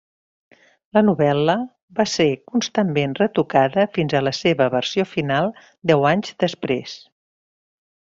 La novel·la va ser constantment retocada fins a la seva versió final deu anys després.